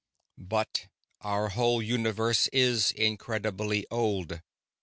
"But our whole universe is incredibly old.